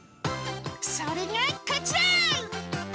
それがこちら。